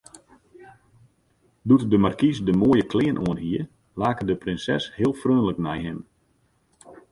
Doe't de markys de moaie klean oanhie, lake de prinses heel freonlik nei him.